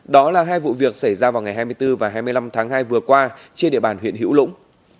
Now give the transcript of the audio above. đó là hai vụ việc xảy ra vào ngày hai mươi bốn và hai mươi năm tháng hai vừa qua trên địa bàn huyện hữu lũng